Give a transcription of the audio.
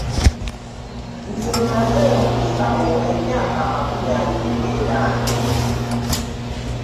Nze mazze mu busawo emyaka amakumi abbiri mu etaano.